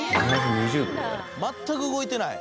全く動いてない。